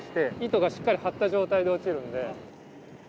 糸がしっかり張った状態で落ちるんで。